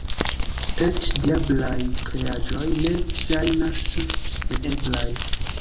Eĉ diablaj kreaĵoj ne ŝajnas neeblaj.